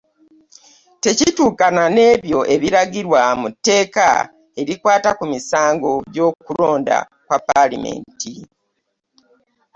Tekituukana n'ebyo ebiragirwa mu tteeka erikwata ku misango gy'okulonda kwa Palamenti